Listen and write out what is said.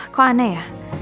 kok aneh ya